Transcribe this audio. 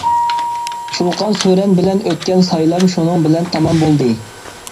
چۇقان-سۈرەن بىلەن ئۆتكەن سايلام شۇنىڭ بىلەن تامام بولدى.